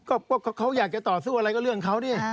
ก็เขาอยากจะต่อสู้อะไรก็เรื่องเขาเนี่ย